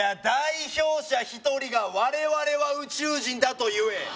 代表者１人が「我々は宇宙人だ」と言え！